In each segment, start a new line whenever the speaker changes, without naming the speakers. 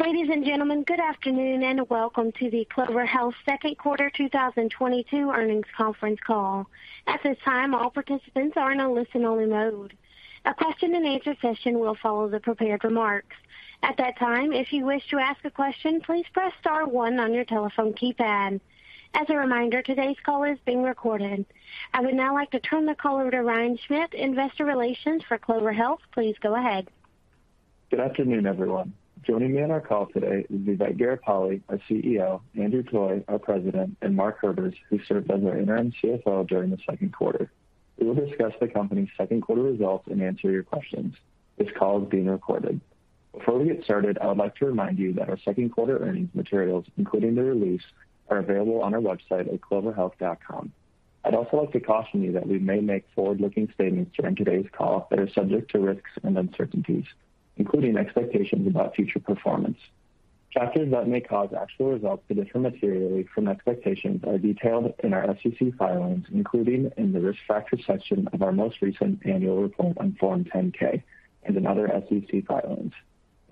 Ladies and gentlemen, good afternoon, and welcome to the Clover Health second quarter 2022 earnings conference call. At this time, all participants are in a listen-only mode. A question-and-answer session will follow the prepared remarks. At that time, if you wish to ask a question, please press star one on your telephone keypad. As a reminder, today's call is being recorded. I would now like to turn the call over to Ryan Schmidt, investor relations for Clover Health. Please go ahead.
Good afternoon, everyone. Joining me on our call today is Vivek Garipalli, our CEO, Andrew Toy, our President, and Mark Herbers, who served as our interim CFO during the second quarter. We will discuss the company's second quarter results and answer your questions. This call is being recorded. Before we get started, I would like to remind you that our second quarter earnings materials, including the release, are available on our website at cloverhealth.com. I'd also like to caution you that we may make forward-looking statements during today's call that are subject to risks and uncertainties, including expectations about future performance. Factors that may cause actual results to differ materially from expectations are detailed in our SEC filings, including in the risk factors section of our most recent annual report on Form 10-K and in other SEC filings.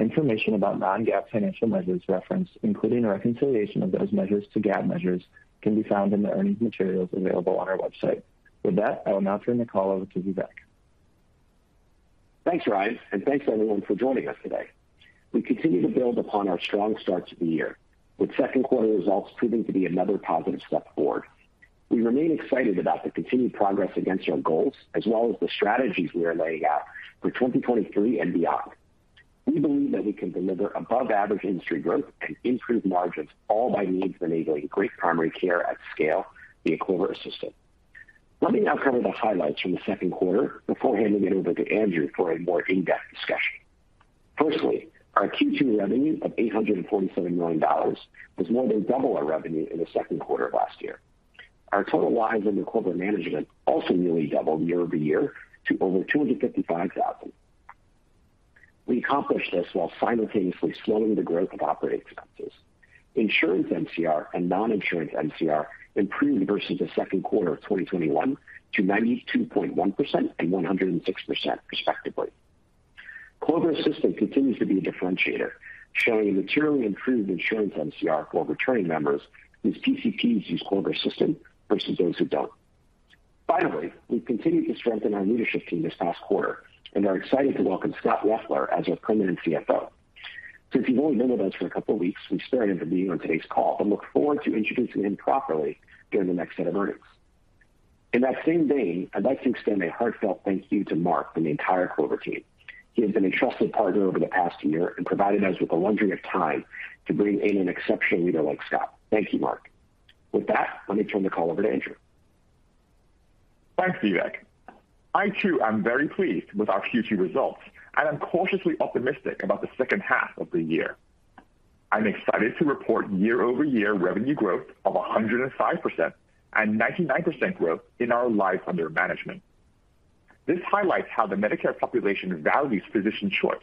Information about non-GAAP financial measures referenced, including a reconciliation of those measures to GAAP measures, can be found in the earnings materials available on our website. With that, I will now turn the call over to Vivek.
Thanks, Ryan, and thanks, everyone, for joining us today. We continue to build upon our strong start to the year, with second quarter results proving to be another positive step forward. We remain excited about the continued progress against our goals as well as the strategies we are laying out for 2023 and beyond. We believe that we can deliver above average industry growth and improve margins, all by means of enabling great primary care at scale via Clover Assistant. Let me now cover the highlights from the second quarter before handing it over to Andrew for a more in-depth discussion. Firstly, our Q2 revenue of $847 million was more than double our revenue in the second quarter of last year. Our total lives under Clover Management also nearly doubled year-over-year to over 255,000. We accomplished this while simultaneously slowing the growth of operating expenses. Insurance MCR and non-insurance MCR improved versus the second quarter of 2021 to 92.1% and 106% respectively. Clover Assistant continues to be a differentiator, showing a materially improved insurance MCR for returning members whose PCPs use Clover Assistant versus those who don't. Finally, we've continued to strengthen our leadership team this past quarter and are excited to welcome Scott Wefler as our permanent CFO. Since he's only been with us for a couple of weeks, we spared him from being on today's call, but look forward to introducing him properly during the next set of earnings. In that same vein, I'd like to extend a heartfelt thank you to Mark and the entire Clover team. He has been a trusted partner over the past year and provided us with a luxury of time to bring in an exceptional leader like Scott. Thank you, Mark. With that, let me turn the call over to Andrew.
Thanks, Vivek. I too am very pleased with our Q2 results, and I'm cautiously optimistic about the second half of the year. I'm excited to report year-over-year revenue growth of 105% and 99% growth in our lives under management. This highlights how the Medicare population values physician choice.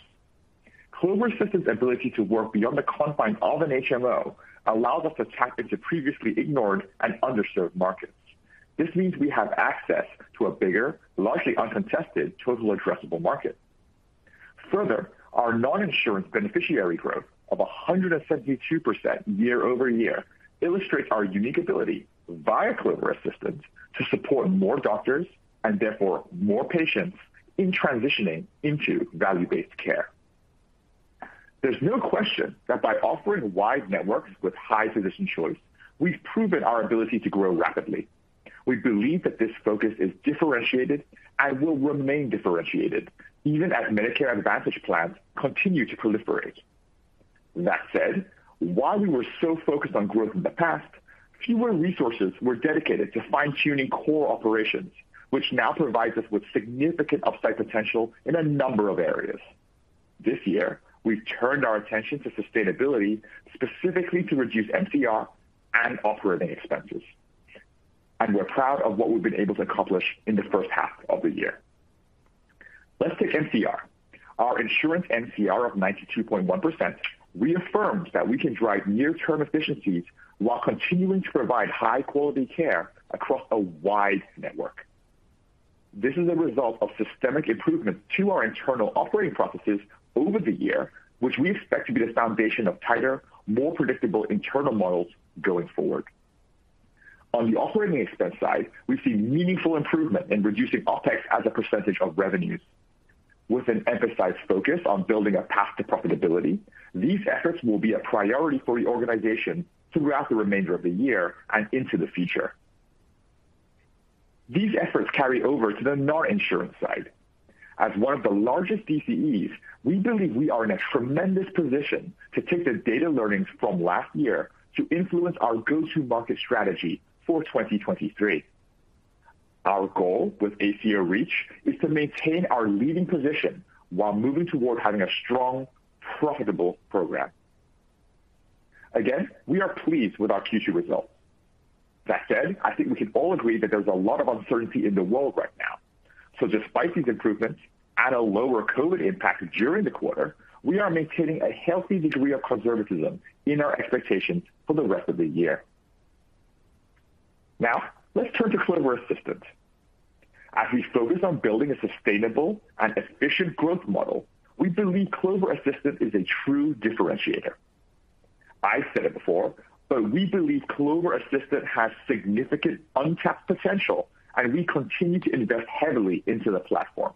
Clover Assistant's ability to work beyond the confines of an HMO allows us to tap into previously ignored and underserved markets. This means we have access to a bigger, largely uncontested total addressable market. Further, our non-insurance beneficiary growth of 172% year-over-year illustrates our unique ability via Clover Assistant to support more doctors and therefore more patients in transitioning into value-based care. There's no question that by offering wide networks with high physician choice, we've proven our ability to grow rapidly. We believe that this focus is differentiated and will remain differentiated even as Medicare Advantage plans continue to proliferate. That said, while we were so focused on growth in the past, fewer resources were dedicated to fine-tuning core operations, which now provides us with significant upside potential in a number of areas. This year, we've turned our attention to sustainability, specifically to reduce MCR and operating expenses, and we're proud of what we've been able to accomplish in the first half of the year. Let's take MCR. Our insurance MCR of 92.1% reaffirms that we can drive near term efficiencies while continuing to provide high quality care across a wide network. This is a result of systemic improvements to our internal operating processes over the year, which we expect to be the foundation of tighter, more predictable internal models going forward. On the operating expense side, we see meaningful improvement in reducing OpEx as a percentage of revenues. With an emphasized focus on building a path to profitability, these efforts will be a priority for the organization throughout the remainder of the year and into the future. These efforts carry over to the non-insurance side. As one of the largest DCEs, we believe we are in a tremendous position to take the data learnings from last year to influence our go-to-market strategy for 2023. Our goal with ACO REACH is to maintain our leading position while moving toward having a strong, profitable program. Again, we are pleased with our Q2 results. That said, I think we can all agree that there's a lot of uncertainty in the world right now. Despite these improvements and a lower COVID impact during the quarter, we are maintaining a healthy degree of conservatism in our expectations for the rest of the year. Now let's turn to Clover Assistant. As we focus on building a sustainable and efficient growth model, we believe Clover Assistant is a true differentiator. I've said it before, but we believe Clover Assistant has significant untapped potential, and we continue to invest heavily into the platform.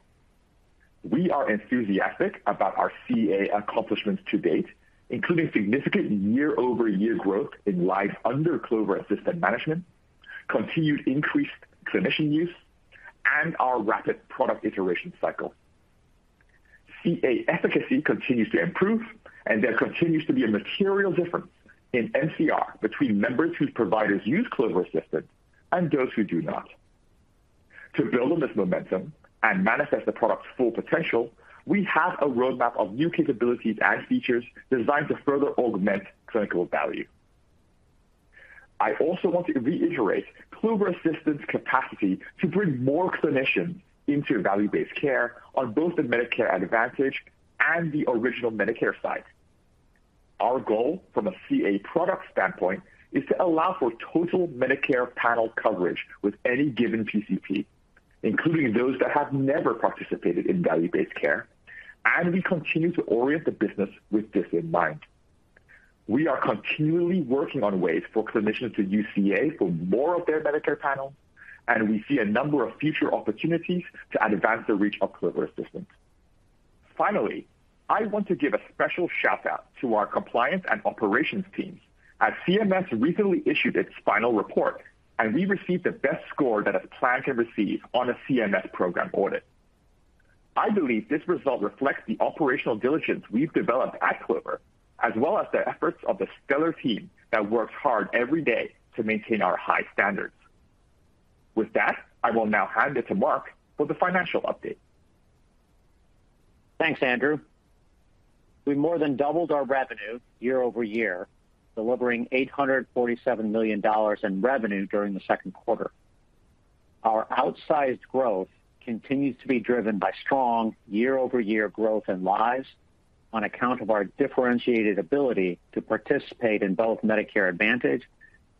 We are enthusiastic about our CA accomplishments to date, including significant year-over-year growth in lives under Clover Assistant management, continued increased clinician use, and our rapid product iteration cycle. CA efficacy continues to improve, and there continues to be a material difference in MCR between members whose providers use Clover Assistant and those who do not. To build on this momentum and manifest the product's full potential, we have a roadmap of new capabilities and features designed to further augment clinical value. I also want to reiterate Clover Assistant's capacity to bring more clinicians into value-based care on both the Medicare Advantage and the original Medicare side. Our goal from a CA product standpoint is to allow for total Medicare panel coverage with any given PCP, including those that have never participated in value-based care, and we continue to orient the business with this in mind. We are continually working on ways for clinicians to use CA for more of their Medicare panels, and we see a number of future opportunities to advance the reach of Clover Assistant. Finally, I want to give a special shout-out to our compliance and operations teams as CMS recently issued its final report, and we received the best score that a plan can receive on a CMS program audit. I believe this result reflects the operational diligence we've developed at Clover, as well as the efforts of the stellar team that works hard every day to maintain our high standards. With that, I will now hand it to Mark for the financial update.
Thanks, Andrew. We more than doubled our revenue year-over-year, delivering $847 million in revenue during the second quarter. Our outsized growth continues to be driven by strong year-over-year growth in lives on account of our differentiated ability to participate in both Medicare Advantage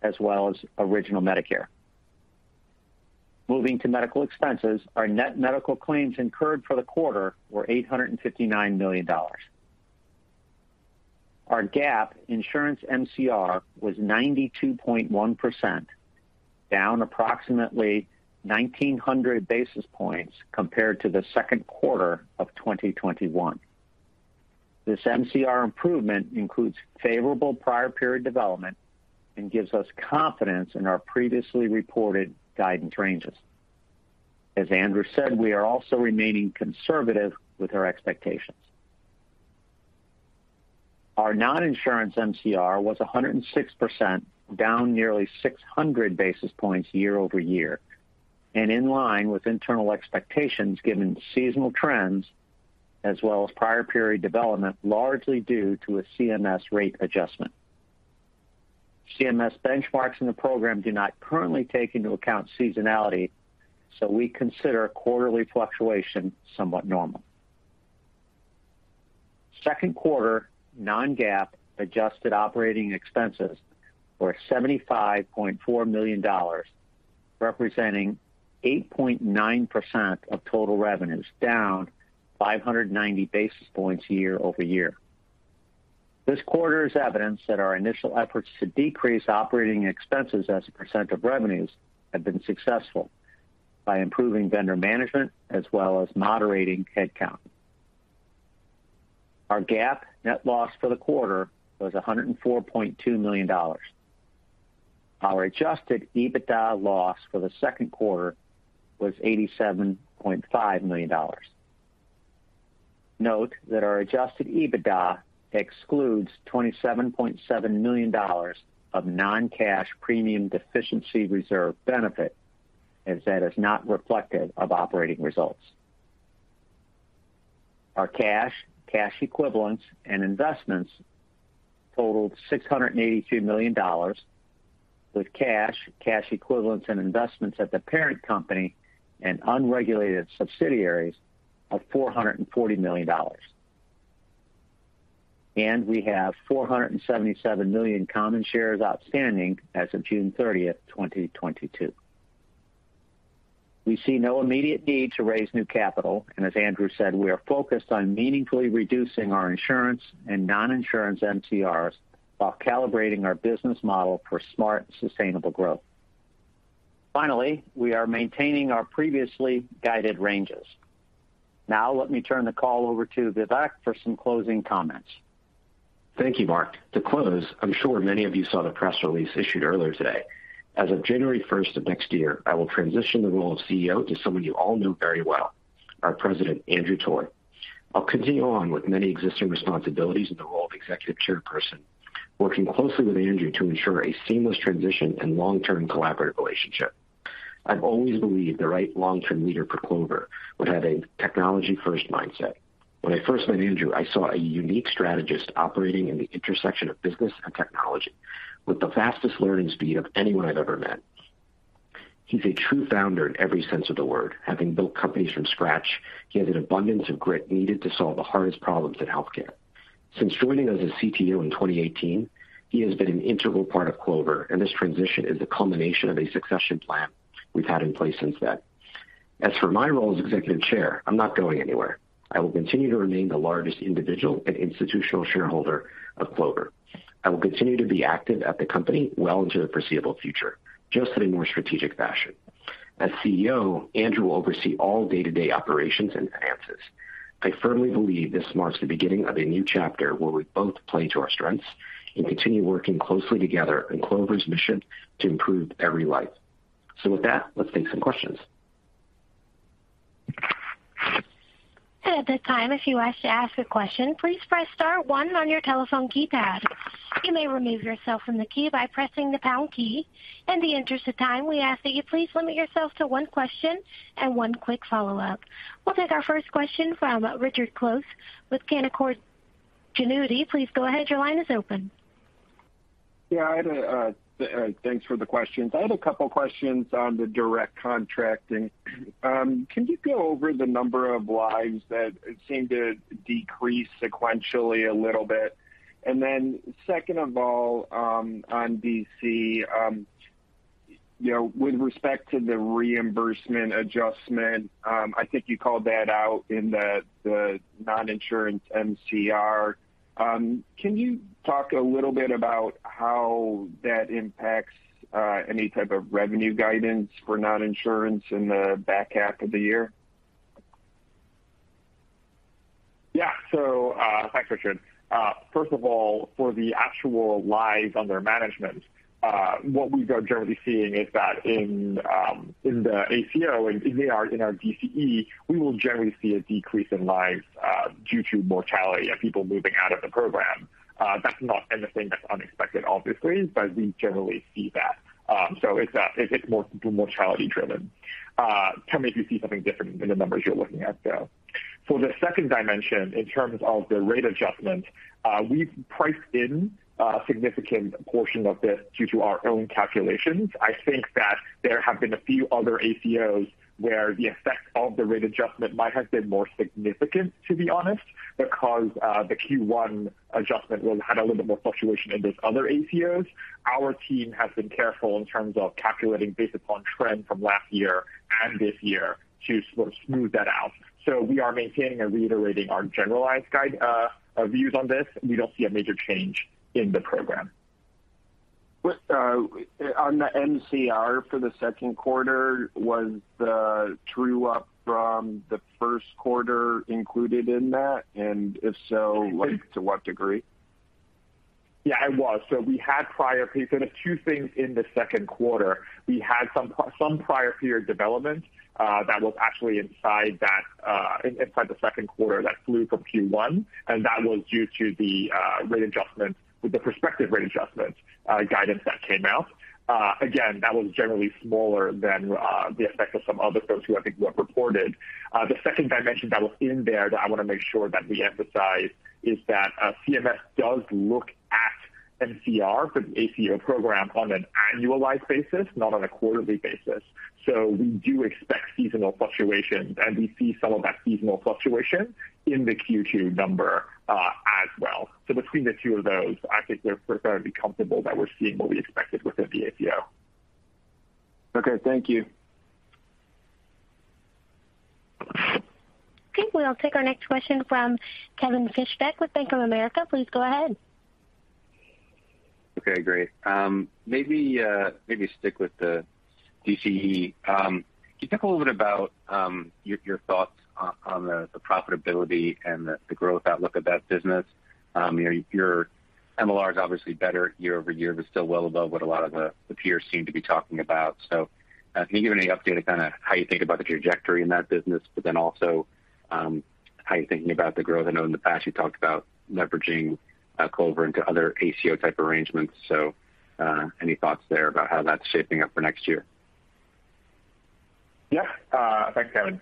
as well as original Medicare. Moving to medical expenses, our net medical claims incurred for the quarter were $859 million. Our GAAP insurance MCR was 92.1%, down approximately 1,900 basis points compared to the second quarter of 2021. This MCR improvement includes favorable prior period development and gives us confidence in our previously reported guidance ranges. As Andrew said, we are also remaining conservative with our expectations. Our non-insurance MCR was 106%, down nearly 600 basis points year-over-year and in line with internal expectations, given seasonal trends as well as prior period development, largely due to a CMS rate adjustment. CMS benchmarks in the program do not currently take into account seasonality, so we consider quarterly fluctuation somewhat normal. Second quarter non-GAAP adjusted operating expenses were $75.4 million, representing 8.9% of total revenues, down 590 basis points year-over-year. This quarter's evidence that our initial efforts to decrease operating expenses as a percent of revenues have been successful by improving vendor management as well as moderating headcount. Our GAAP net loss for the quarter was $104.2 million. Our adjusted EBITDA loss for the second quarter was $87.5 million. Note that our adjusted EBITDA excludes $27.7 million of non-cash premium deficiency reserve benefit, as that is not reflective of operating results. Our cash equivalents and investments totaled $682 million, with cash equivalents and investments at the parent company and unregulated subsidiaries of $440 million. We have 477 million common shares outstanding as of June 30, 2022. We see no immediate need to raise new capital, and as Andrew said, we are focused on meaningfully reducing our insurance and non-insurance MCRs while calibrating our business model for smart, sustainable growth. Finally, we are maintaining our previously guided ranges. Now let me turn the call over to Vivek for some closing comments.
Thank you, Mark. To close, I'm sure many of you saw the press release issued earlier today. As of January first of next year, I will transition the role of CEO to someone you all know very well, our president, Andrew Toy. I'll continue on with many existing responsibilities in the role of executive chairperson, working closely with Andrew to ensure a seamless transition and long-term collaborative relationship. I've always believed the right long-term leader for Clover would have a technology-first mindset. When I first met Andrew, I saw a unique strategist operating in the intersection of business and technology with the fastest learning speed of anyone I've ever met. He's a true founder in every sense of the word, having built companies from scratch. He has an abundance of grit needed to solve the hardest problems in healthcare. Since joining us as CTO in 2018, he has been an integral part of Clover, and this transition is a culmination of a succession plan we've had in place since then. As for my role as executive chair, I'm not going anywhere. I will continue to remain the largest individual and institutional shareholder of Clover. I will continue to be active at the company well into the foreseeable future, just in a more strategic fashion. As CEO, Andrew will oversee all day-to-day operations and finances. I firmly believe this marks the beginning of a new chapter where we both play to our strengths and continue working closely together in Clover's mission to improve every life. With that, let's take some questions.
At this time, if you wish to ask a question, please press star one on your telephone keypad. You may remove yourself from the queue by pressing the pound key. In the interest of time, we ask that you please limit yourself to one question and one quick follow-up. We'll take our first question from Richard Close with Canaccord Genuity. Please go ahead. Your line is open.
Yeah, thanks for the questions. I had a couple questions on the direct contracting. Can you go over the number of lives that seem to decrease sequentially a little bit? Then second of all, on DC, you know, with respect to the reimbursement adjustment, I think you called that out in the non-insurance MCR. Can you talk a little bit about how that impacts any type of revenue guidance for non-insurance in the back half of the year?
Thanks, Richard. First of all, for the actual lives under management, what we are generally seeing is that in the ACO, in our DCE, we will generally see a decrease in lives due to mortality and people moving out of the program. That's not anything that's unexpected, obviously, but we generally see that. It's more mortality driven. Tell me if you see something different in the numbers you're looking at, though. For the second dimension, in terms of the rate adjustment, we've priced in a significant portion of this due to our own calculations. I think that there have been a few other ACOs where the effect of the rate adjustment might have been more significant, to be honest, because the Q1 adjustment will have a little bit more fluctuation in those other ACOs. Our team has been careful in terms of calculating based upon trend from last year and this year to sort of smooth that out. We are maintaining and reiterating our general guidance views on this. We don't see a major change in the program.
With, on the MCR for the second quarter, was the true-up from the first quarter included in that? If so, like, to what degree?
Yeah, it was. There's two things in the second quarter. We had some prior period development that was actually inside that inside the second quarter that flowed from Q1, and that was due to the rate adjustments, the prospective rate adjustments guidance that came out. Again, that was generally smaller than the effect of some others that were reported. The second dimension that was in there that I want to make sure that we emphasize is that CMS does look at MCR for the ACO program on an annualized basis, not on a quarterly basis. We do expect seasonal fluctuations, and we see some of that seasonal fluctuation in the Q2 number as well. Between the two of those, I think we're fairly comfortable that we're seeing what we expected within the ACO.
Okay. Thank you.
Okay, we'll take our next question from Kevin Fischbeck with Bank of America. Please go ahead.
Okay, great. Maybe stick with the DCE. Can you talk a little bit about your thoughts on the profitability and the growth outlook of that business? Your MLR is obviously better year-over-year, but still well above what a lot of the peers seem to be talking about. Can you give any update on kinda how you think about the trajectory in that business, but then also how you're thinking about the growth? I know in the past you talked about leveraging Clover into other ACO-type arrangements. Any thoughts there about how that's shaping up for next year?
Yeah. Thanks, Kevin.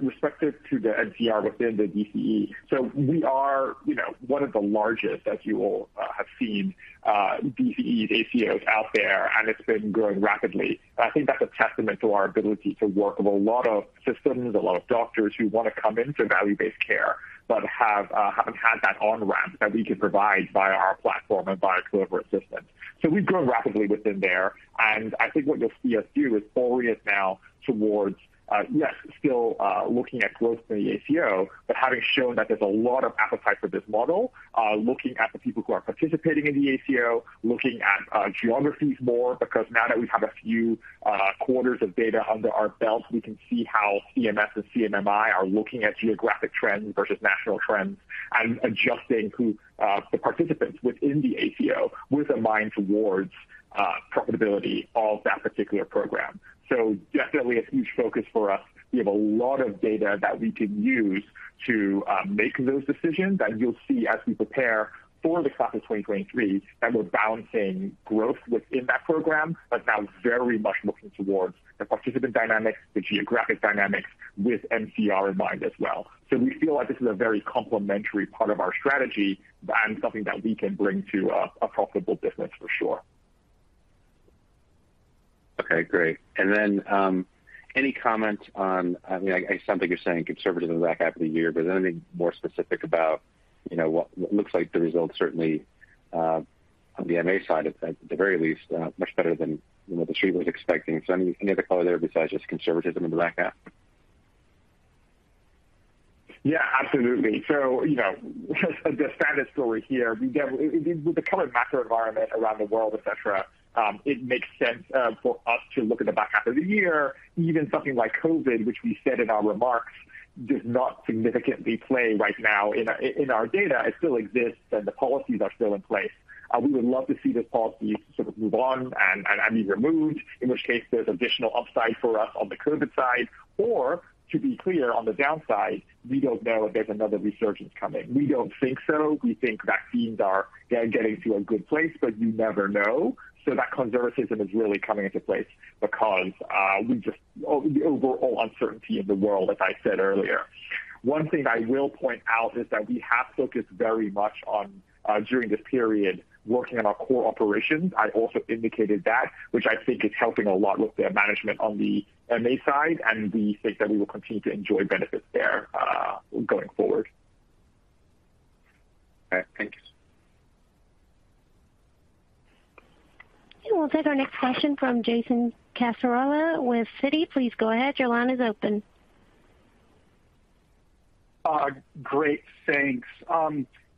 Respective to the MCR within the DCE, so we are, you know, one of the largest, as you all have seen, DCE ACOs out there, and it's been growing rapidly. I think that's a testament to our ability to work with a lot of systems, a lot of doctors who wanna come into value-based care, but haven't had that on-ramp that we can provide via our platform and via Clover Assistant. We've grown rapidly within there. I think what you'll see us do is orient now towards, yes, still, looking at growth in the ACO, but having shown that there's a lot of appetite for this model, looking at the people who are participating in the ACO, looking at geographies more, because now that we have a few quarters of data under our belt, we can see how CMS and CMMI are looking at geographic trends versus national trends and adjusting who the participants within the ACO with a mind towards profitability of that particular program. So definitely a huge focus for us. We have a lot of data that we can use to make those decisions. You'll see as we prepare for the second quarter of 2023, that we're balancing growth within that program, but now very much looking towards the participant dynamics, the geographic dynamics with MCR in mind as well. We feel like this is a very complementary part of our strategy and something that we can bring to a profitable business for sure.
Okay, great. Then any comment on, I mean, it sounds like you're saying conservatism in the back half of the year, but is there anything more specific about, you know, what looks like the results certainly on the MA side, at the very least, much better than, you know, the street was expecting? So any other color there besides just conservatism in the back half?
Yeah, absolutely. You know, the standard story here, with the current macro environment around the world, et cetera, it makes sense for us to look at the back half of the year. Even something like COVID, which we said in our remarks, does not significantly play right now in our data. It still exists, and the policies are still in place. We would love to see those policies sort of move on and be removed, in which case there's additional upside for us on the COVID side. To be clear on the downside, we don't know if there's another resurgence coming. We don't think so. We think vaccines are getting to a good place, but you never know. That conservatism is really coming into place because the overall uncertainty in the world, as I said earlier. One thing I will point out is that we have focused very much on, during this period, working on our core operations. I also indicated that, which I think is helping a lot with the management on the MA side, and we think that we will continue to enjoy benefits there, going forward.
Okay, thanks.
We'll take our next question from Jason Cassella with Citi. Please go ahead. Your line is open.
Great, thanks.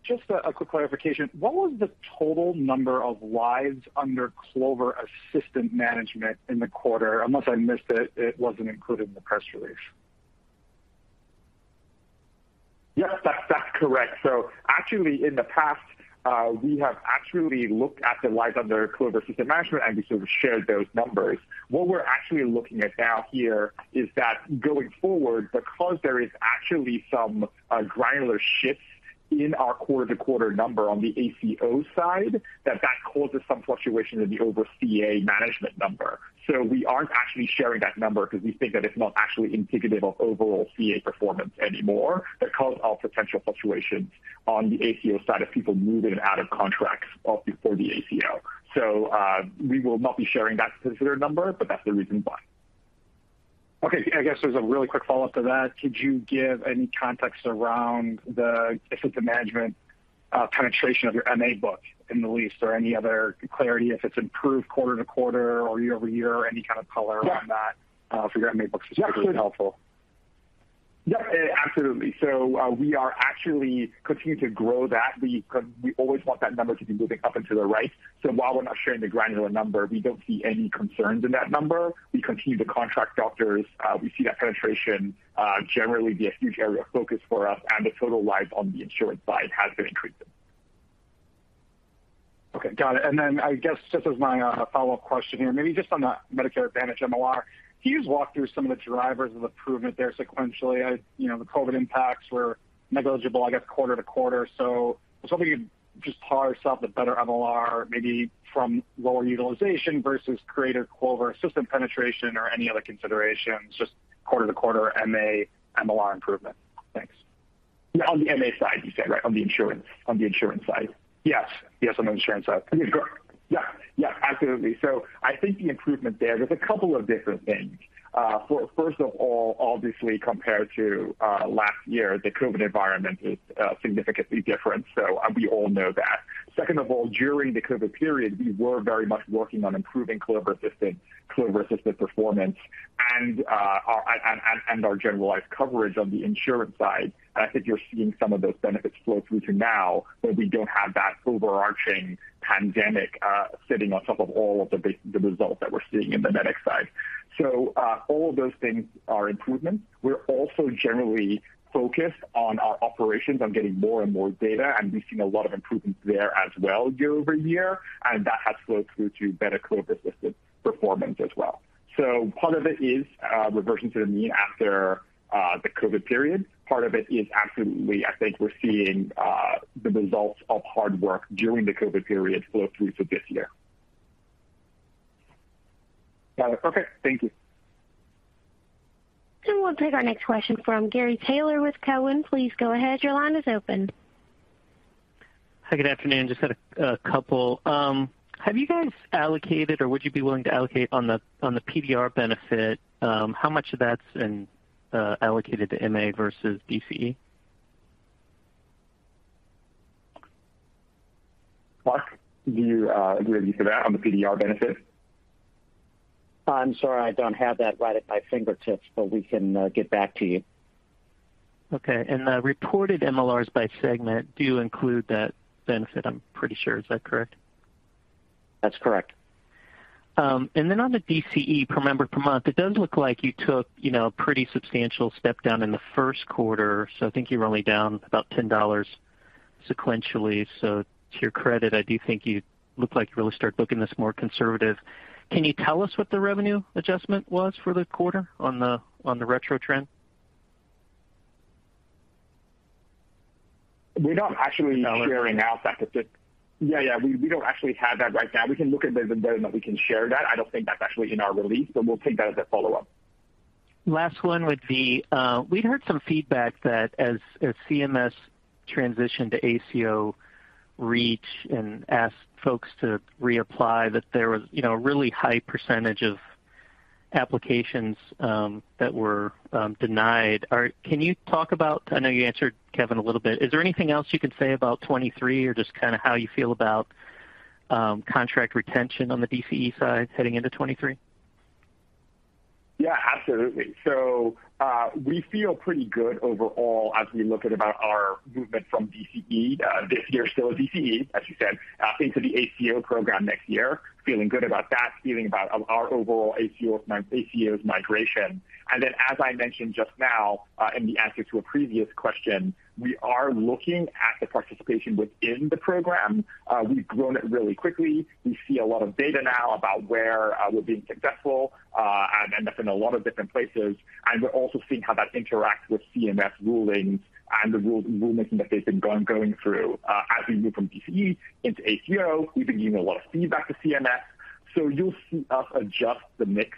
Just a quick clarification. What was the total number of lives under Clover Assistant management in the quarter? Unless I missed it wasn't included in the press release.
Yes, that's correct. Actually in the past, we have actually looked at the lives under Clover Assistant Management, and we sort of shared those numbers. What we're actually looking at now here is that going forward, because there is actually some granular shifts in our quarter-to-quarter number on the ACO side, that causes some fluctuation in the overall CA management number. We aren't actually sharing that number because we think that it's not actually indicative of overall CA performance anymore because of potential fluctuations on the ACO side of people moving out of contracts or before the ACO. We will not be sharing that specific number, but that's the reason why.
Okay. I guess there's a really quick follow-up to that. Could you give any context around the Clover Assistant penetration of your MA book at least? Any other clarity if it's improved quarter-over-quarter or year-over-year? Any kind of color around that for your MA books is particularly helpful.
Yeah, absolutely. We are actually continuing to grow that. We always want that number to be moving up and to the right. While we're not sharing the granular number, we don't see any concerns in that number. We continue to contract doctors. We see that penetration generally be a huge area of focus for us, and the total lives on the insurance side has been increasing.
Okay, got it. I guess just as my follow-up question here, maybe just on the Medicare Advantage MLR. Can you just walk through some of the drivers of improvement there sequentially? You know, the COVID impacts were negligible, I guess, quarter to quarter. I was hoping you'd just parse out the better MLR maybe from lower utilization versus greater Clover Assistant penetration or any other considerations, just quarter to quarter MA MLR improvement. Thanks.
On the MA side you said, right? On the insurance, on the insurance side?
Yes. Yes, on the insurance side.
Yeah. Yeah, absolutely. I think the improvement there's a couple of different things. First of all, obviously, compared to last year, the COVID environment is significantly different. We all know that. Second of all, during the COVID period, we were very much working on improving Clover Assistant performance and our generalized coverage on the insurance side. I think you're seeing some of those benefits flow through to now where we don't have that overarching pandemic sitting on top of all of the results that we're seeing in the Medicare side. All of those things are improvements. We're also generally focused on our operations on getting more and more data, and we've seen a lot of improvements there as well year-over-year, and that has flowed through to better Clover Assistant performance as well. Part of it is, reversion to the mean after, the COVID period. Part of it is absolutely I think we're seeing, the results of hard work during the COVID period flow through to this year.
Got it. Okay. Thank you.
We'll take our next question from Gary Taylor with Cowen. Please go ahead. Your line is open.
Hi, good afternoon. Just had a couple. Have you guys allocated or would you be willing to allocate on the PDR benefit, how much of that's been allocated to MA versus DCE?
Mark, do you agree with that on the PDR benefit?
I'm sorry, I don't have that right at my fingertips, but we can get back to you.
Okay. The reported MLRs by segment do include that benefit, I'm pretty sure. Is that correct?
That's correct.
On the DCE per member per month, it does look like you took, you know, a pretty substantial step down in the first quarter. I think you were only down about $10 sequentially. To your credit, I do think you look like you really start booking this more conservative. Can you tell us what the revenue adjustment was for the quarter on the retro trend?
We're not actually sharing our statistics. Yeah, we don't actually have that right now. We can look at those and whether or not we can share that. I don't think that's actually in our release, but we'll take that as a follow-up.
Last one would be, we'd heard some feedback that as CMS transitioned to ACO REACH and asked folks to reapply, that there was, you know, a really high percentage of applications that were denied. Can you talk about it? I know you answered Kevin a little bit. Is there anything else you can say about 2023 or just kinda how you feel about contract retention on the DCE side heading into 2023?
Yeah, absolutely. We feel pretty good overall as we look at about our movement from DCE this year, still a DCE, as you said, into the ACO program next year. Feeling good about that, feeling about our overall ACOs my ACOs migration. As I mentioned just now in the answer to a previous question, we are looking at the participation within the program. We've grown it really quickly. We see a lot of data now about where we're being successful and end up in a lot of different places. We're also seeing how that interacts with CMS rulings and the rulings that they've been going through. As we move from DCE into ACO, we've been giving a lot of feedback to CMS, so you'll see us adjust the mix.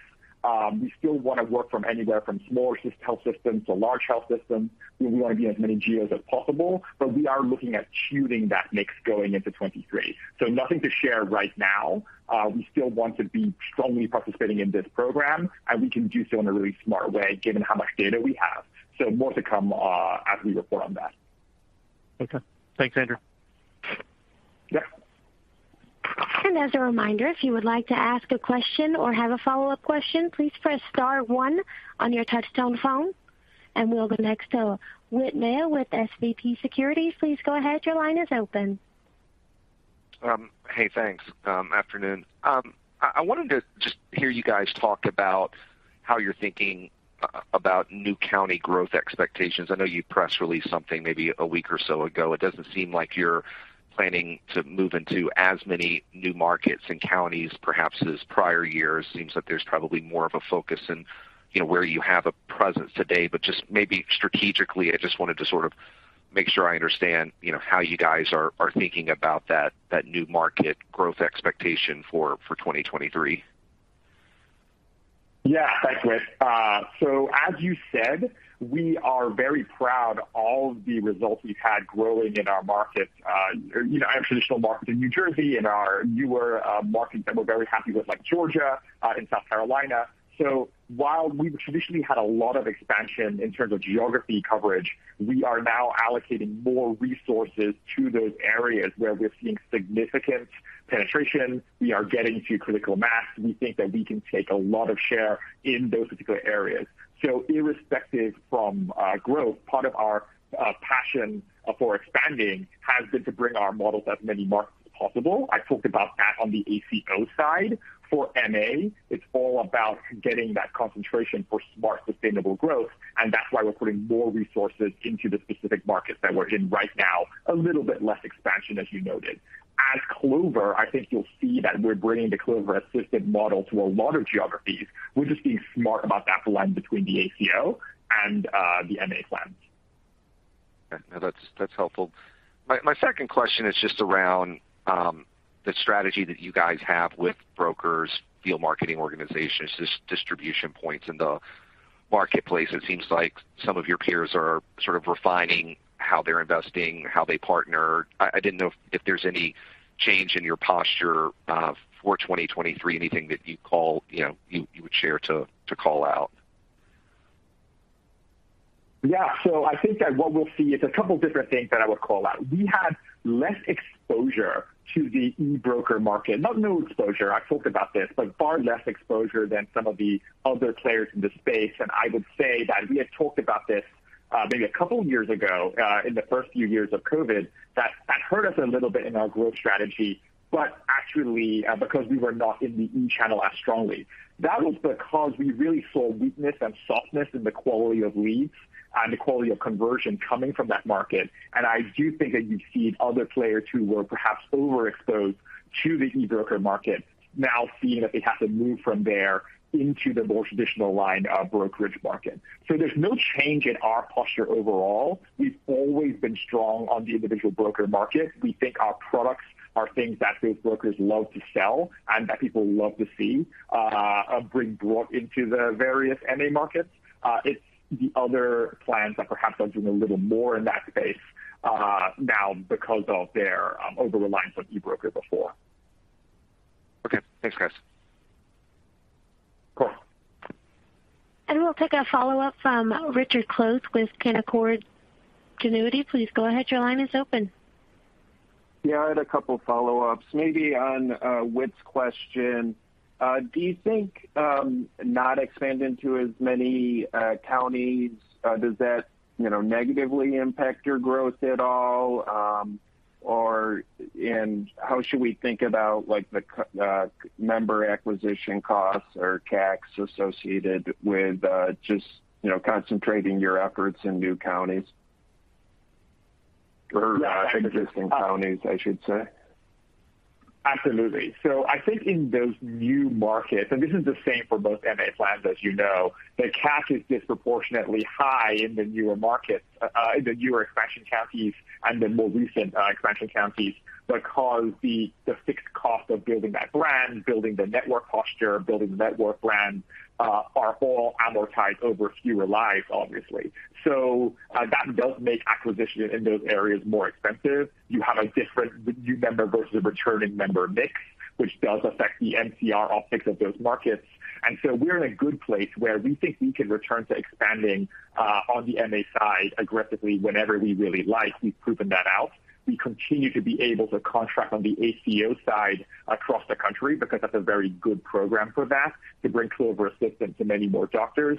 We still wanna work from anywhere from small health systems to large health systems. We wanna be in as many geos as possible, but we are looking at tuning that mix going into 2023. Nothing to share right now. We still want to be strongly participating in this program, and we can do so in a really smart way, given how much data we have. More to come as we report on that.
Okay. Thanks, Andrew.
Yeah.
As a reminder, if you would like to ask a question or have a follow-up question, please press star one on your touchtone phone, and we'll go next to Whit Mayo with SVB Securities. Please go ahead. Your line is open.
Hey, thanks. Afternoon. I wanted to just hear you guys talk about how you're thinking about new county growth expectations. I know you press released something maybe a week or so ago. It doesn't seem like you're planning to move into as many new markets and counties perhaps as prior years. Seems like there's probably more of a focus in, you know, where you have a presence today. Just maybe strategically, I just wanted to sort of make sure I understand, you know, how you guys are thinking about that new market growth expectation for 2023.
Yeah. Thanks, Whit. As you said, we are very proud all of the results we've had growing in our markets, you know, our traditional markets in New Jersey and our newer markets that we're very happy with, like Georgia and South Carolina. While we've traditionally had a lot of expansion in terms of geography coverage, we are now allocating more resources to those areas where we're seeing significant penetration. We are getting to critical mass. We think that we can take a lot of share in those particular areas. Irrespective from growth, part of our passion for expanding has been to bring our models as many markets as possible. I talked about that on the ACO side. For MA, it's all about getting that concentration for smart, sustainable growth, and that's why we're putting more resources into the specific markets that we're in right now. A little bit less expansion, as you noted. At Clover, I think you'll see that we're bringing the Clover Assistant model to a lot of geographies. We're just being smart about that blend between the ACO and the MA plans.
Okay. No, that's helpful. My second question is just around the strategy that you guys have with brokers, field marketing organizations, distribution points in the marketplace. It seems like some of your peers are sort of refining how they're investing, how they partner. I didn't know if there's any change in your posture for 2023, anything that you'd call, you know, you would share to call out.
Yeah. I think that what we'll see is a couple different things that I would call out. We had less exposure to the e-broker market. Not no exposure, I've talked about this, but far less exposure than some of the other players in the space. I would say that we had talked about this, maybe a couple years ago, in the first few years of COVID, that that hurt us a little bit in our growth strategy, but actually, because we were not in the e-channel as strongly. That was because we really saw weakness and softness in the quality of leads and the quality of conversion coming from that market. I do think that you've seen other players who were perhaps overexposed to the e-broker market now seeing that they have to move from there into the more traditional line of brokerage market. There's no change in our posture overall. We've always been strong on the individual broker market. We think our products are things that those brokers love to sell and that people love to see brought into the various MA markets. It's the other plans that perhaps are doing a little more in that space now because of their over-reliance on e-broker before.
Okay. Thanks, guys.
Cool.
We'll take a follow-up from Richard Close with Canaccord Genuity. Please go ahead. Your line is open.
Yeah, I had a couple follow-ups. Maybe on Whit's question. Do you think not expanding to as many counties does that, you know, negatively impact your growth at all? How should we think about, like, the member acquisition costs or CAC associated with just, you know, concentrating your efforts in new counties? Or existing counties, I should say.
Absolutely. I think in those new markets, and this is the same for both MA plans, as you know, the CAC is disproportionately high in the newer markets, in the newer expansion counties and the more recent expansion counties, because the fixed cost of building that brand, building the network posture, building the network brand, are all amortized over fewer lives, obviously. That does make acquisition in those areas more expensive. You have a different new member versus returning member mix, which does affect the MCR optics of those markets. We're in a good place where we think we can return to expanding on the MA side aggressively whenever we really like. We've proven that out. We continue to be able to contract on the ACO side across the country because that's a very good program for that, to bring Clover Assistant to many more doctors.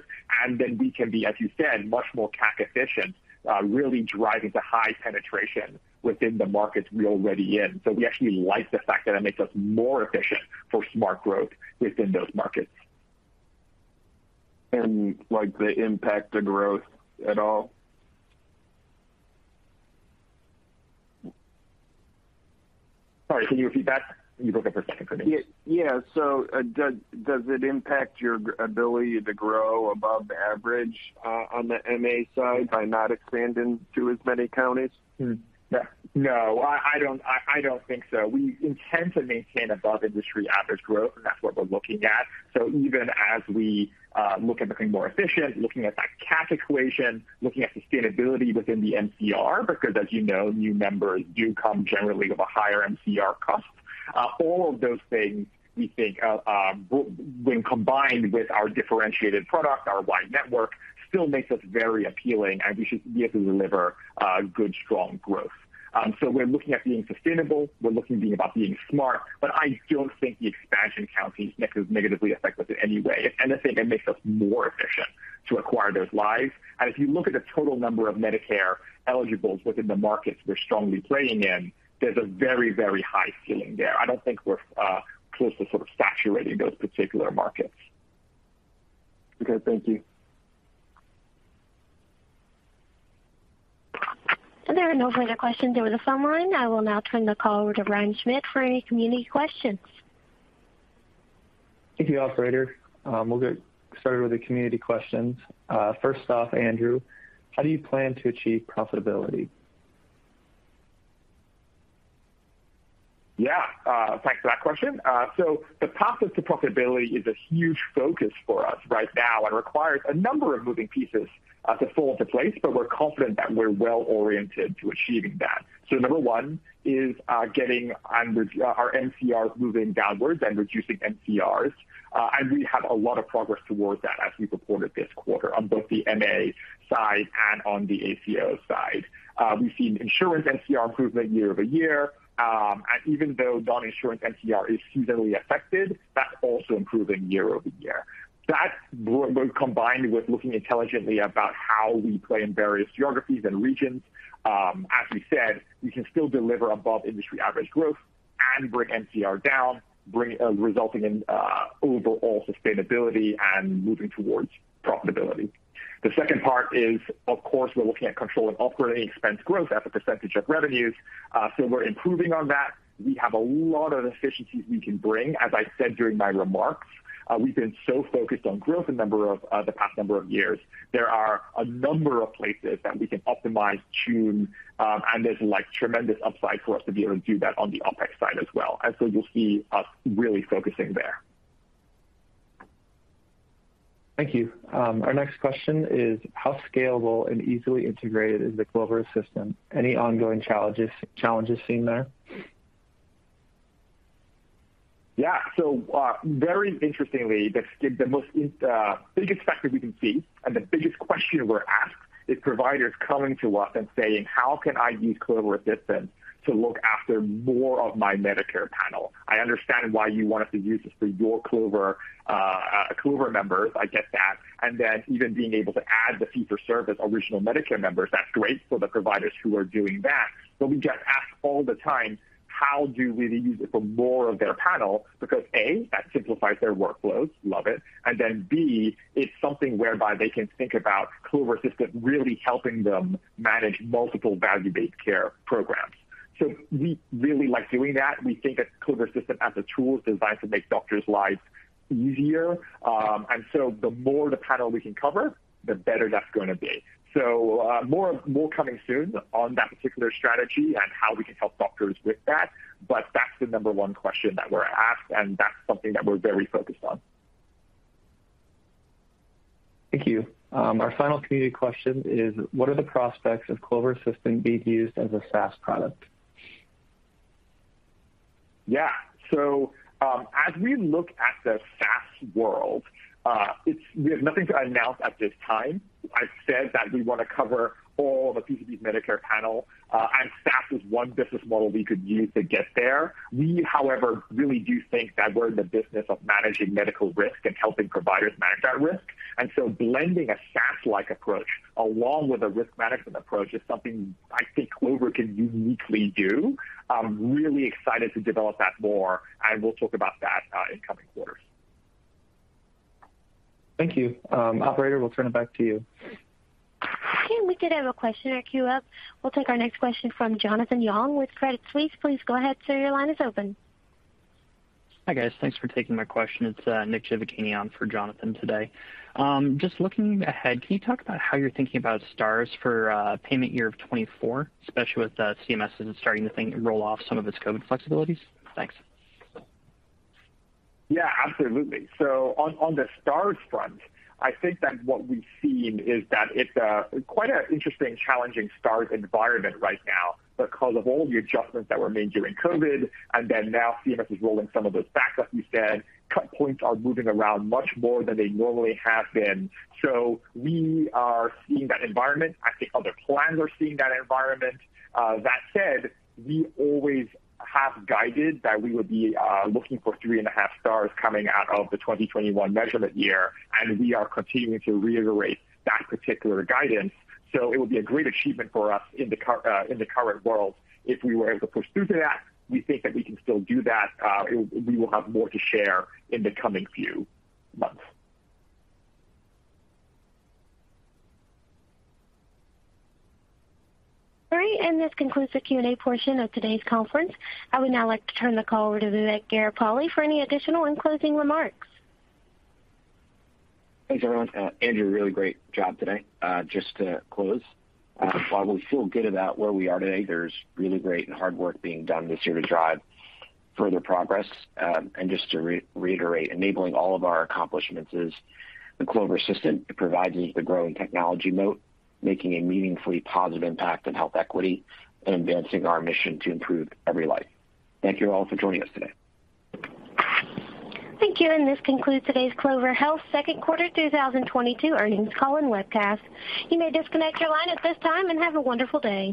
Then we can be, as you said, much more CAC efficient, really driving to high penetration within the markets we're already in. We actually like the fact that it makes us more efficient for smart growth within those markets.
Like, they impact the growth at all?
Sorry, can you repeat that? You broke up for a second for me.
Does it impact your ability to grow above average on the MA side by not expanding to as many counties?
No, I don't think so. We intend to maintain above industry average growth, and that's what we're looking at. Even as we look at becoming more efficient, looking at that CAC equation, looking at sustainability within the MCR, because as you know, new members do come generally with a higher MCR cost. All of those things, we think, when combined with our differentiated product, our wide network, still makes us very appealing, and we should be able to deliver good, strong growth. We're looking at being sustainable, we're looking at being about being smart, but I don't think the expansion counties negatively affect us in any way. I think it makes us more efficient to acquire those lives. If you look at the total number of Medicare eligibles within the markets we're strongly playing in, there's a very, very high ceiling there. I don't think we're close to sort of saturating those particular markets.
Okay, thank you.
There are no further questions over the phone line. I will now turn the call over to Ryan Schmidt for any community questions.
Thank you, operator. We'll get started with the community questions. First off, Andrew, how do you plan to achieve profitability?
Yeah. Thanks for that question. The path to profitability is a huge focus for us right now and requires a number of moving pieces to fall into place, but we're confident that we're well oriented to achieving that. Number one is getting on with our MCRs moving downwards and reducing MCRs. We have a lot of progress towards that, as we reported this quarter on both the MA side and on the ACO side. We've seen insurance MCR improvement year-over-year. Even though non-insurance MCR is seasonally affected, that's also improving year-over-year. That, when combined with looking intelligently about how we play in various geographies and regions, as we said, we can still deliver above industry average growth and bring MCR down, resulting in overall sustainability and moving towards profitability. The second part is, of course, we're looking at controlling operating expense growth as a percentage of revenues. We're improving on that. We have a lot of efficiencies we can bring. As I said during my remarks, we've been so focused on growth a number of the past years. There are a number of places that we can optimize, tune, and there's, like, tremendous upside for us to be able to do that on the OpEx side as well. You'll see us really focusing there.
Thank you. Our next question is how scalable and easily integrated is the Clover Assistant? Any ongoing challenges seen there?
Yeah. Very interestingly, the biggest factor we can see and the biggest question we're asked is providers coming to us and saying, "How can I use Clover Assistant to look after more of my Medicare panel? I understand why you want us to use this for your Clover members. I get that." Even being able to add the fee for service, original Medicare members, that's great for the providers who are doing that. We get asked all the time, how do we use it for more of their panel because, A, that simplifies their workloads. Love it. B, it's something whereby they can think about Clover Assistant really helping them manage multiple value-based care programs. We really like doing that. We think of Clover Assistant as a tool designed to make doctors' lives easier. The more the panel we can cover, the better that's gonna be. More coming soon on that particular strategy and how we can help doctors with that. That's the number one question that we're asked, and that's something that we're very focused on.
Thank you. Our final community question is what are the prospects of Clover Assistant being used as a SaaS product?
Yeah. As we look at the SaaS world, it is we have nothing to announce at this time. I've said that we wanna cover all the PCP Medicare panel, and SaaS is one business model we could use to get there. We, however, really do think that we're in the business of managing medical risk and helping providers manage that risk. Blending a SaaS-like approach along with a risk management approach is something I think Clover can uniquely do. I'm really excited to develop that more, and we'll talk about that in coming quarters. Thank you. Operator, we'll turn it back to you.
Okay. We did have a question in our queue up. We'll take our next question from Jonathan Yong with Credit Suisse. Please go ahead, sir. Your line is open.
Hi, guys. Thanks for taking my question. It's Nick Sivanathan on for Jonathan today. Just looking ahead, can you talk about how you're thinking about stars for payment year of 2024, especially with CMS starting to roll off some of its COVID flexibilities? Thanks.
Yeah, absolutely. On the stars front, I think that what we've seen is that it's quite an interesting challenging stars environment right now because of all the adjustments that were made during COVID. Then now CMS is rolling some of those back, like you said, cut points are moving around much more than they normally have been. We are seeing that environment. I think other plans are seeing that environment. That said, we always have guided that we would be looking for 3.5 stars coming out of the 2021 measurement year, and we are continuing to reiterate that particular guidance. It would be a great achievement for us in the current world if we were able to push through to that. We think that we can still do that. We will have more to share in the coming few months.
All right. This concludes the Q&A portion of today's conference. I would now like to turn the call over to Vivek Garipalli for any additional and closing remarks.
Thanks, everyone. Andrew, really great job today. Just to close, while we feel good about where we are today, there's really great and hard work being done this year to drive further progress. Just to reiterate, enabling all of our accomplishments is the Clover system. It provides us the growing technology moat, making a meaningfully positive impact on health equity and advancing our mission to improve every life. Thank you all for joining us today.
Thank you. This concludes today's Clover Health second quarter 2022 earnings call and webcast. You may disconnect your line at this time and have a wonderful day.